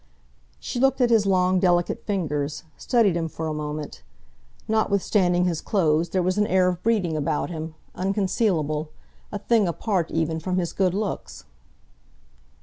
She looked at his long, delicate fingers studied him for a moment. Notwithstanding his clothes, there was an air of breeding about him, unconcealable, a thing apart, even, from his good looks.